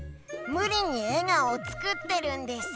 むりに笑顔を作ってるんです。